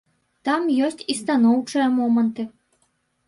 Там ёсць і станоўчыя моманты.